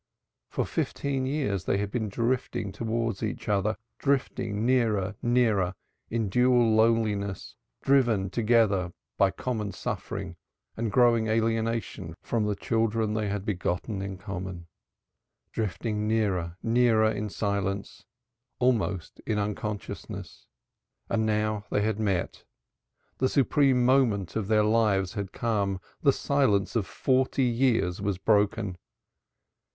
For fifteen years they had been drifting towards each other, drifting nearer, nearer in dual loneliness; driven together by common suffering and growing alienation from the children they had begotten in common; drifting nearer, nearer in silence, almost in unconsciousness. And now they had met. The supreme moment of their lives had come. The silence of forty years was broken.